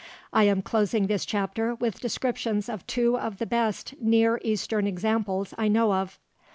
I am closing this chapter with descriptions of two of the best Near Eastern examples I know of.